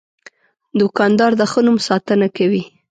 دوکاندار د ښه نوم ساتنه کوي.